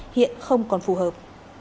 hiện không còn phù hợp